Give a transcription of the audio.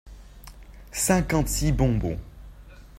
Cinquante-six bonbons.